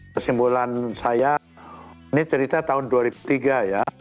kesimpulan saya ini cerita tahun dua ribu tiga ya